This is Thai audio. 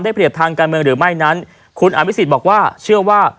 ได้เปรียบทางกันเมืองหรือไม่นั้นคุณอำวิสิทธิ์บอกว่าเชื่อว่า